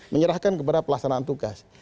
menyerahkan kepada pelaksanaan tugas